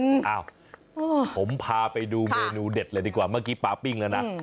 อ้าวผมพาไปดูเมนูเด็ดเลยดีกว่าเมื่อกี้ปลาปิ้งแล้วนะ